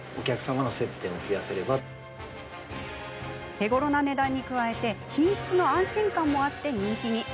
手ごろな値段に加えて品質の安心感もあって人気に。